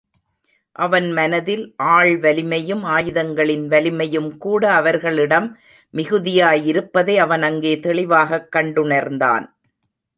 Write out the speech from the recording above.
அவன் மனதில் ஆள் வலிமையும், ஆயுதங்களின் வலிமையும் கூட அவர்களிடம் மிகுதியாய் இருப்பதை அவன் அங்கே தெளிவாகக் கண்டுணர்ந்தான்.